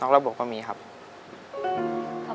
โดยโปรแกรมแม่รักลูกมาก